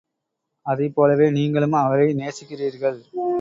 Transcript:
அதைப் போலவே நீங்களும் அவரை நேசிக்கிறீர்கள்.